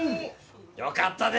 よかったで！